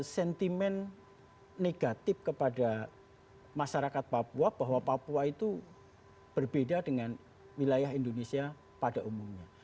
sentimen negatif kepada masyarakat papua bahwa papua itu berbeda dengan wilayah indonesia pada umumnya